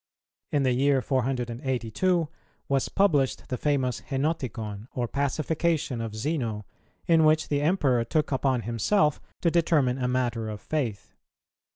In the year 482 was published the famous Henoticon or Pacification of Zeno, in which the Emperor took upon himself to determine a matter of faith.